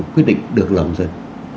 quyết định được lòng dân